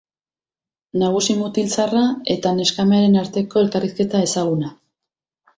Nagusi mutil zaharra eta neskamearen arteko elkarrizketa ezaguna.